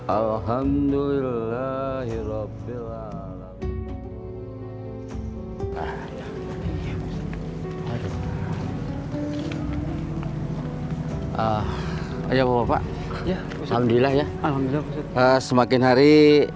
alhamdulillah semakin hari